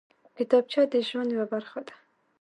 کتابچه د ژوند یوه برخه ده